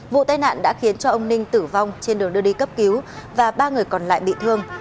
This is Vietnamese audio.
vụ tai nạn đã khiến cho ông ninh tử vong trên đường đưa đi cấp cứu và ba người còn lại bị thương